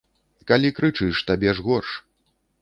Калі крычыш, табе ж горш.